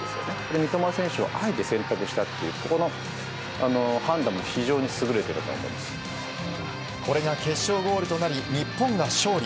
三笘選手をあえて選択したというところの判断も非常に優れてるとこれが決勝ゴールとなり、日本が勝利。